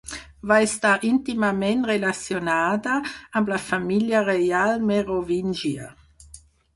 Va estar íntimament relacionada amb la família reial Merovíngia.